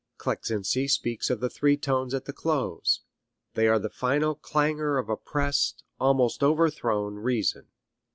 Kleczynski speaks of the three tones at the close. They are the final clangor of oppressed, almost overthrown, reason.